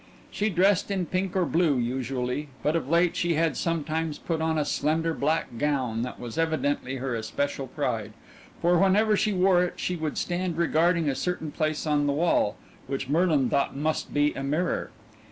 She dressed in pink or blue usually, but of late she had sometimes put on a slender black gown that was evidently her especial pride, for whenever she wore it she would stand regarding a certain place on the wall, which Merlin thought must be a mirror.